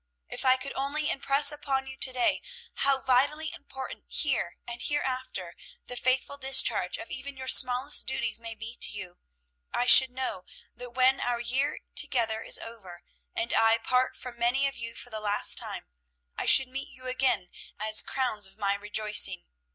"If I could only impress upon you to day how vitally important here and hereafter the faithful discharge of even your smallest duties may be to you, I should know that when our year together is over, and I part from many of you for the last time, I should meet you again as 'crowns of my rejoicing.'